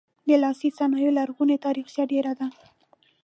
د لاسي صنایعو لرغونې تاریخچه ډیره ده.